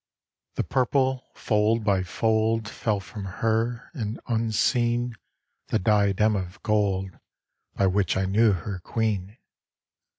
The purple, fold by fold, Fell from her, and, unseen, The diadem of gold By which I knew her queen.